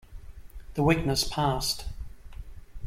The weakness passed.